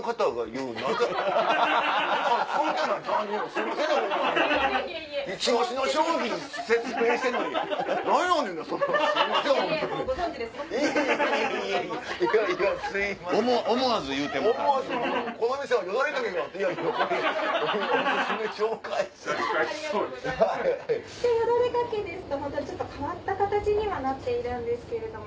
よだれ掛けですと変わった形にはなっているんですけれども。